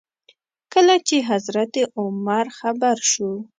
کله چې حضرت عمر خبر شو.